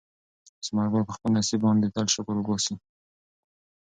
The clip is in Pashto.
ثمر ګل په خپل نصیب باندې تل شکر وباسي.